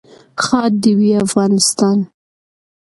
ښاد دې وي افغانستان.